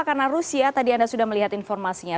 karena rusia tadi anda sudah melihat informasinya